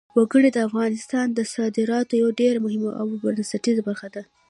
وګړي د افغانستان د صادراتو یوه ډېره مهمه او بنسټیزه برخه ده.